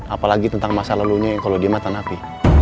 apalagi tentang masa lalunya yang kalau dia matan api